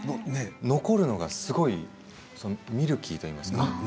残るのが、すごいミルキーというか。